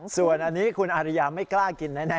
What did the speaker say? ส่วนอันนี้คุณอาริยาไม่กล้ากินแน่